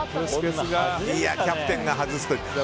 キャプテンが外すという。